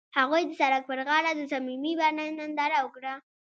هغوی د سړک پر غاړه د صمیمي باران ننداره وکړه.